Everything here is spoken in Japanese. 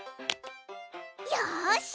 よし！